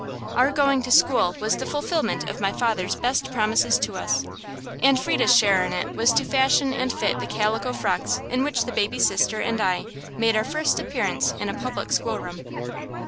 Our going to school was the fulfilment of my father's best promises to us, and Frieda's share in it was to fashion and fit the calico frocks in which the baby sister and I made our first appearance in a public schoolroom.